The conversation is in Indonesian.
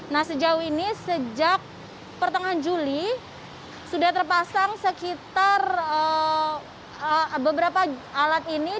nah sejauh ini sejak pertengahan juli sudah terpasang sekitar beberapa alat ini